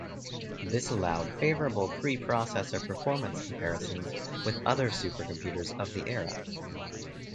This allowed favorable per-processor performance comparisons with other supercomputers of the era.